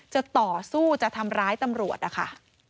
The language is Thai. จะต่อสู้จะทำร้ายตำรวจนะคะ